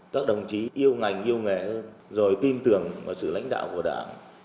các đồng chí yêu ngành yêu nghề hơn rồi tin tưởng vào sự lãnh đạo của đảng